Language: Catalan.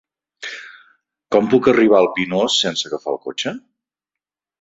Com puc arribar al Pinós sense agafar el cotxe?